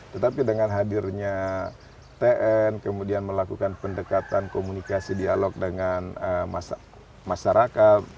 tetapi dengan hadirnya tn kemudian melakukan pendekatan komunikasi dialog dengan masyarakat